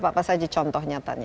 apa saja contoh nyatanya